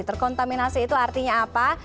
terkontaminasi itu artinya apa